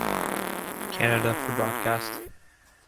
Canada for broadcast.